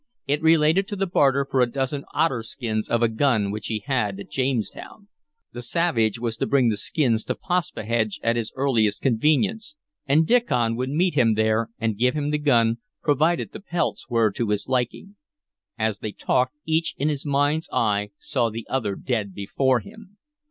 It related to the barter for a dozen otterskins of a gun which he had at Jamestown. The savage was to bring the skins to Paspahegh at his earliest convenience, and Diccon would meet him there and give him the gun, provided the pelts were to his liking. As they talked, each, in his mind's eye, saw the other dead before him.